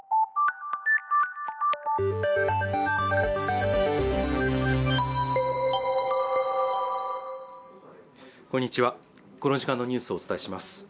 こんにちはこの時間のニュースをお伝えします